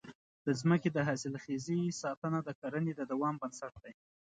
د ځمکې د حاصلخېزۍ ساتنه د کرنې د دوام بنسټ دی.